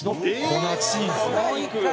粉チーズ。